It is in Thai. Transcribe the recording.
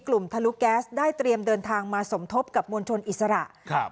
ทะลุแก๊สได้เตรียมเดินทางมาสมทบกับมวลชนอิสระครับ